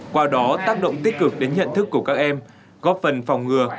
qua đó tác động tích cực đến nhận thức của các em góp phần phòng ngừa